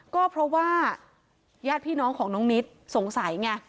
ก็เพราะว่าญาติพี่น้องของน้องนิดสงสัยไง